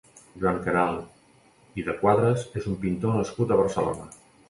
Joan Queralt i de Quadras és un pintor nascut a Barcelona.